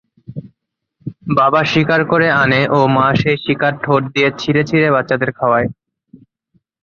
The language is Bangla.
বাবা শিকার করে আনে ও মা সেই শিকার ঠোঁট দিয়ে ছিঁড়ে ছিঁড়ে বাচ্চাদের খাওয়ায়।